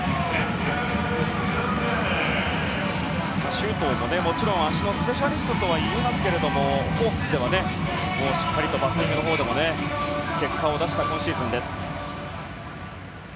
周東ももちろん足のスペシャリストとは言いますけどホークスでは、しっかりとバッティングのほうでも結果を出した今シーズンです。